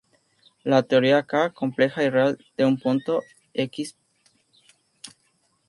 La teoría-"K" compleja y real de un punto "X=pt.